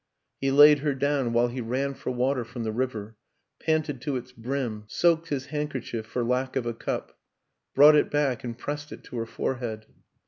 He laid 144 WILLIAM AN ENGLISHMAN her down while he ran for water from the river; panted to its brim, soaked his handkerchief for lack of a cup, brought it back and pressed it to her forehead.